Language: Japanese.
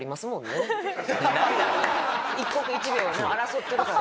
一刻一秒をね争ってるから。